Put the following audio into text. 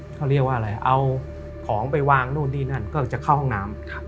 เขาเรียกว่าอะไรเอาของไปวางนู่นนี่นั่นก็จะเข้าห้องน้ำ